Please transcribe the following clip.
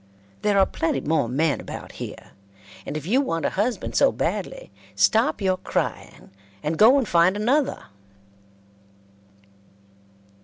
There are plenty more men about here, and if you want a husband so badly, stop your crying and go and find another."